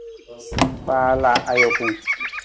Faala ajuku.